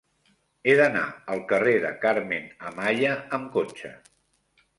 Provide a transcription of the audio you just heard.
He d'anar al carrer de Carmen Amaya amb cotxe.